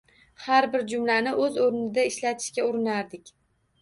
Har bir jumlani o‘z o‘rnida ishlatishga urinardik.